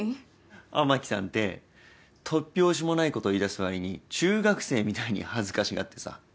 雨樹さんって突拍子もないこと言いだす割に中学生みたいに恥ずかしがってさ。